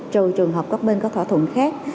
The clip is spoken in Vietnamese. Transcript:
trừ trường hợp các bên có thỏa thuận khác